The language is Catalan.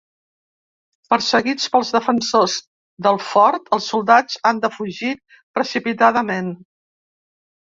Perseguits pels defensors del Fort, els soldats han de fugir precipitadament.